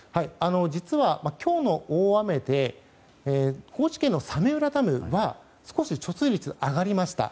実は、今日の大雨で高知県の早明浦ダムは少し貯水率が上がりました。